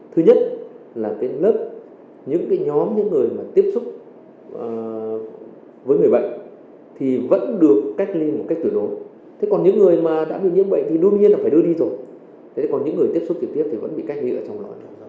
thứ nhất là cái lớp những nhóm những người mà tiếp xúc với người bệnh thì vẫn được cách ly